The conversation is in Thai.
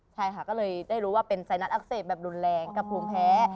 ใช่ค่ะก็เลยได้รู้ว่าเป็นไซนัสอักเสบแบบรุนแรงกับภูมิแพ้